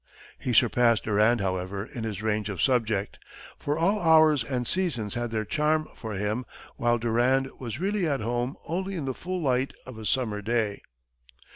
He surpassed Durand, however, in his range of subject, for all hours and seasons had their charm for him, while Durand was really at home only in the full light of a summer day.